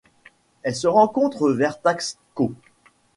Elle se rencontre vers Taxco.